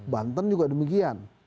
banten juga demikian